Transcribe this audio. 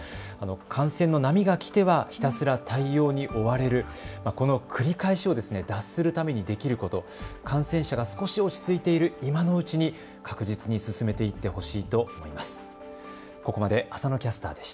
感染の波が来てはひたすら対応に追われるこの繰り返しを脱するためにできること、感染者が少し落ち着いている今のうちに確実に進めていってほしいと思います。